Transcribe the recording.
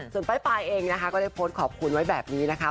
ส่วนป้ายปลายเองนะคะก็ได้โพสต์ขอบคุณไว้แบบนี้นะคะ